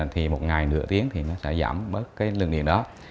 thì một ngày nửa tiếng thì nó sẽ giảm bớt cái lượng điện đó